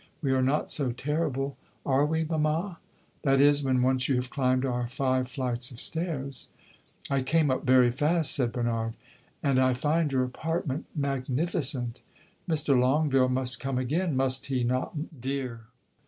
"We are not so terrible, are we, mamma? that is, when once you have climbed our five flights of stairs." "I came up very fast," said Bernard, "and I find your apartment magnificent." "Mr. Longueville must come again, must he not, dear?"